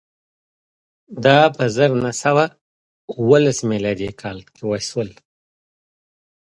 دا په زر نه سوه اوولس میلادي کال کې وشول.